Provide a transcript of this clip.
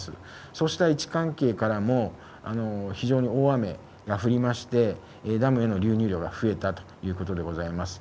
そうした位置関係からも、非常に大雨が降りまして、ダムへの流入量が増えたということでございます。